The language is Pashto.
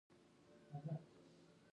بوټونه د پښو آرامتیا لپاره اړین دي.